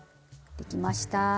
できました！